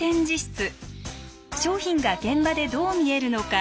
商品が現場でどう見えるのか。